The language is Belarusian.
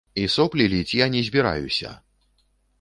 І соплі ліць я не збіраюся!